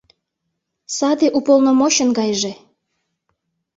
Саде уполномочын гайже.